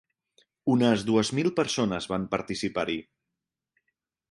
Unes dues mil persones van participar-hi.